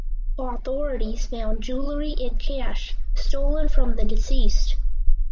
Authorities found jewelry and cash stolen from the deceased.